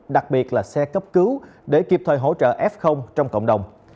đặc biệt là xe cấp cứu để kịp thời hỗ trợ f trong cộng đồng